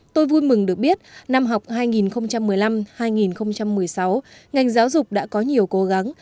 tôi vui mừng được biết năm học hai nghìn một mươi năm hai nghìn một mươi sáu ngành giáo dục đã có nhiều cố gắng